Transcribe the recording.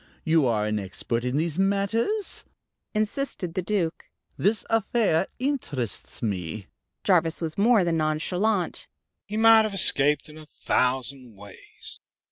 You are an expert in these matters," insisted the Duke. "This affair interests me." Jarvis was more than nonchalant. "He might have escaped in a thousand ways.